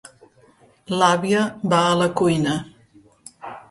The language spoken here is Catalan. L'àvia va a la cuina.